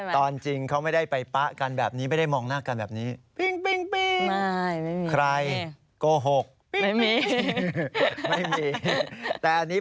แต่ว่าไม่ใช่ภาพตอนที่เจอกันจริงใช่ไหม